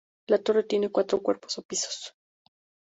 La torre tiene cuatro cuerpos o pisos.